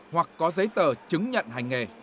hoặc có giấy tờ chứng nhận hành nghề